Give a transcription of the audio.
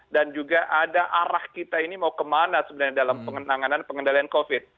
dan juga ada arah kita ini mau kemana sebenarnya dalam pengendalian covid